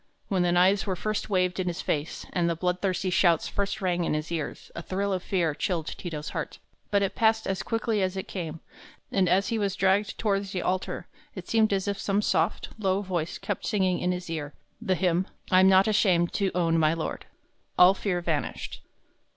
When the knives were first waved in his face, and the bloodthirsty shouts first rang in his ears, a thrill of fear chilled Ti to's heart; but it passed as quickly as it came, and as he was dragged toward the altar, it seemed as if some soft, low voice kept singing in his ear the hymn, "I'm not ashamed to own my Lord." All fear vanished.